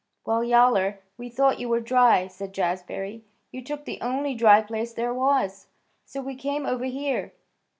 "Well, Yowler, we thought you were dry," said Jazbury. "You took the only dry place there was, so we came over here."